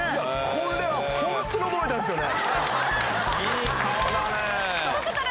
これは本当に驚いたんですよね。